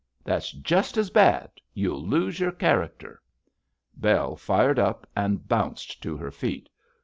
'That's just as bad. You'll lose your character.' Bell fired up, and bounced to her feet.